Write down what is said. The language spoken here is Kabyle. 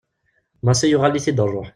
Massi yuɣal-it-id rruḥ.